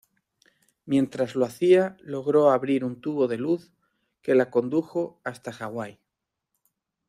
Mientras lo hacía logró abrir un tubo de luz que la condujo hasta Hawaii.